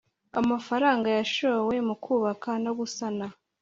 amafaranga yashowe mu kubaka no gusana